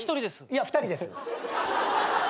いや２人です。